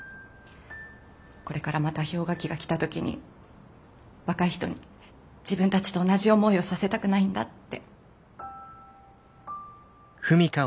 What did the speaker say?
これからまた氷河期が来た時に若い人に自分たちと同じ思いをさせたくないんだって。